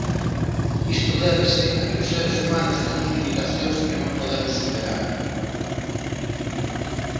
Isto débese a que os seres humanos temos limitacións que non podemos superar.